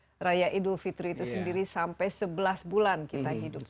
hari raya idul fitri itu sendiri sampai sebelas bulan kita hidup